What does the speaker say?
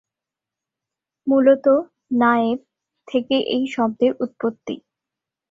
মূলত "নায়েব" থেকে এই শব্দের উৎপত্তি।